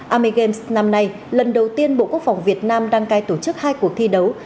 army games năm nay lần đầu tiên bộ quốc phòng việt nam đăng cai tổ chức hai cuộc thi đấu